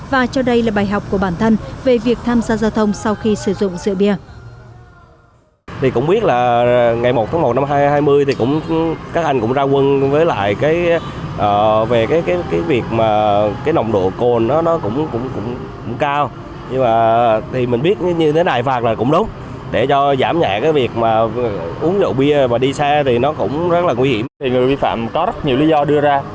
và cho đây là bài học của bản thân về việc tham gia giao thông sau khi sử dụng sữa bia